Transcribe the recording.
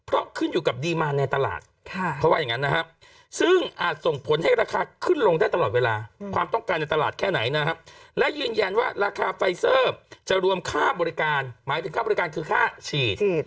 และยืนยันว่าราคาไฟซอร์จะรวมค่าบริการหมายถึงค่าบริการคือค่าฉีด